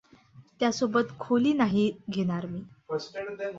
त्यासोबत खोली नाही घेणार मी.